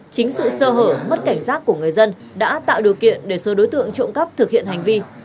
chính sự sơ hở mất cảnh giác của người dân đã tạo điều kiện để số đối tượng trộm cắp thực hiện hành vi